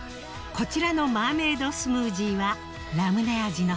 こちらのマーメイドスムージーはラムネ味の他